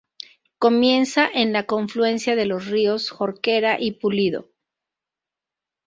Comienza en la confluencia de los ríos Jorquera y Pulido.